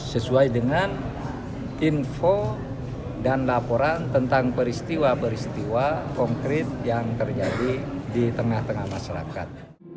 sesuai dengan info dan laporan tentang peristiwa peristiwa konkret yang terjadi di tengah tengah masyarakat